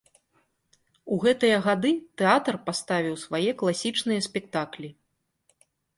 У гэтыя гады тэатр паставіў свае класічныя спектаклі.